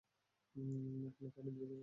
এখনো তা নিভৃত নির্জন।